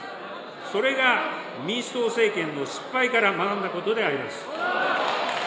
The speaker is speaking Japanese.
それが民主党政権の失敗から学んだことであります。